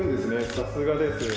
さすがです。